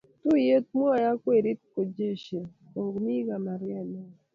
tuiyet mwai ak werit kijoshi ko kimii chemargei ne oo